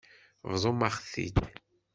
Bḍumt-aɣ-t-id.